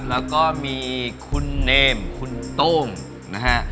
แล้วก็มีคุณเนมคุณโต้งนะฮะ